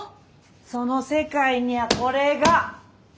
その世界にはこれが。